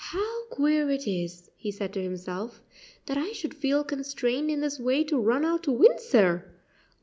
"How queer it is," he said to himself, "that I should feel constrained in this way to run out to Windsor!